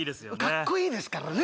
かっこいいですからね